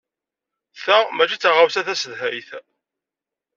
Ta mačči d taɣawsa tasedhayt?